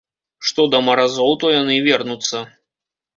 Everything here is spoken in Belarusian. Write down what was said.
Што да маразоў, то яны вернуцца.